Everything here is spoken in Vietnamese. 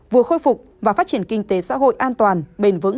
vừa khôi phục và phát triển kinh tế xã hội an toàn bền vững